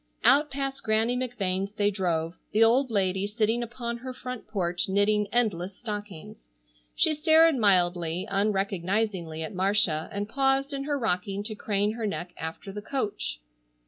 Out past Granny McVane's they drove, the old lady sitting upon her front porch knitting endless stockings. She stared mildly, unrecognizingly at Marcia and paused in her rocking to crane her neck after the coach.